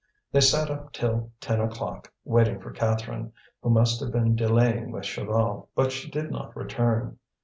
They sat up till ten o'clock waiting for Catherine, who must have been delaying with Chaval. But she did not return.